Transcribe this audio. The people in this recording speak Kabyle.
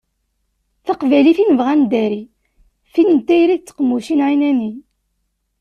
Taqbaylit i nebɣa ad neddari d tin n tayri d tqemmucin εinani.